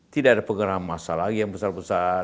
tidak ada pengeram masa lagi yang besar besar